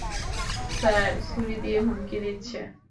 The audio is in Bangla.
স্যার, ছুরি দিয়ে হুমকি দিচ্ছে।